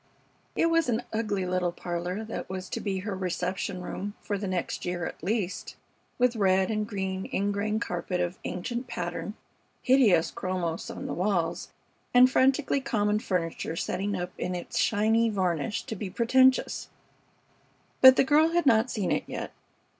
It was an ugly little parlor that was to be her reception room for the next year at least, with red and green ingrain carpet of ancient pattern, hideous chromos on the walls, and frantically common furniture setting up in its shining varnish to be pretentious; but the girl had not seen it yet.